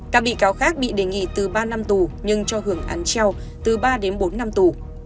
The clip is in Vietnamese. các bị cáo khác bị đề nghị từ ba năm tù nhưng cho hưởng án treo từ ba đến bốn năm tù